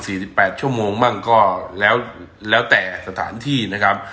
สิบแปดชั่วโมงบ้างก็แล้วแล้วแต่สถานที่นะครับ